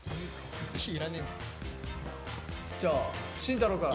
じゃあ慎太郎から。